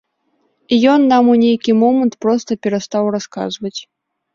Ён нам у нейкі момант проста перастаў расказваць.